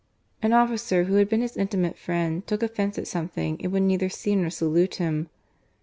An officer, who had been his intimate friend, took offence at something and would neither see nor salute him.